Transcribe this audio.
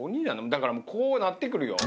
だからもうこうなってくるよ。